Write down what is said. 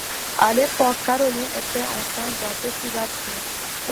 À l’époque, Caroline était enceinte d’un petit garçon.